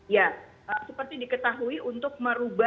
ya seperti diketahui untuk merubah